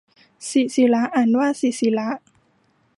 ศิศิร อ่านว่า สิสิระ